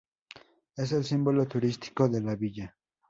Es el símbolo turístico de La Villa.